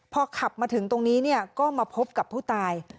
พอขับมาถึงตรงนี้ก็มาพบกับผู้ตาย